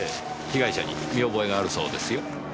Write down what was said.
被害者に見覚えがあるそうですよ。